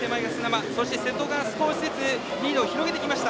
瀬戸が少しずつリードを広げてきました。